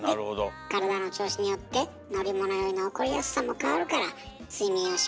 で体の調子によって乗り物酔いの起こりやすさも変わるからということですね。